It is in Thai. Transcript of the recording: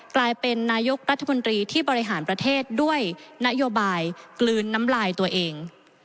กลายเป็นนายกรัฐมนตรีที่บริหารประเทศด้วยนโยบายกลืนน้ำลายตัวเอง